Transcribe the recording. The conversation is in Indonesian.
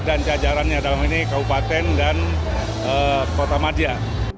dan jajarannya dalam hal ini kabupaten dan kota madia